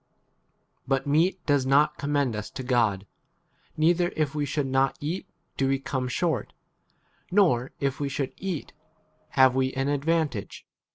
But meat does not commend us to God ; neither if we should not eat do we come short ; nor if we should eat have 9 we an advantage.